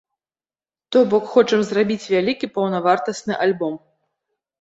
То бок, хочам зрабіць вялікі паўнавартасны альбом.